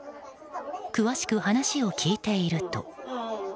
詳しく話を聞いていると。